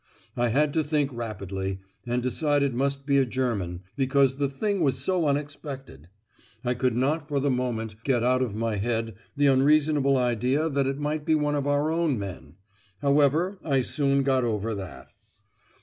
I had to think rapidly, and decide it must be a German, because the thing was so unexpected; I could not for the moment get out of my head the unreasonable idea that it might be one of our own men! However, I soon got over that.